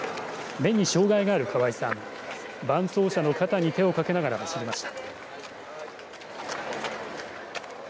目に障害がある河合さん伴走者の肩に手をかけながら走りました